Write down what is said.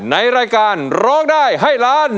ในรายการร้องได้ให้ล้าน